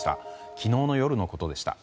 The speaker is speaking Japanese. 昨日の夜のことでした。